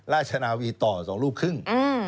ราชนาวีต่อ๒ลูกครึ่ง